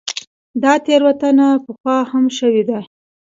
دا تېروتنه پخوا هم شوې ده.